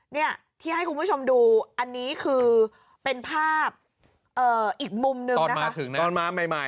เนี่ยที่ให้คุณผู้ชมดูอันนี้คือเป็นภาพอีกมุมนึงนะคะ